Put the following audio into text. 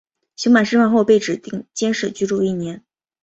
刑满释放后被指定监视居住一年。